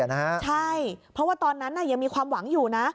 ใช่เพราะว่าตอนนั้นยังมีความหวังอยู่นะ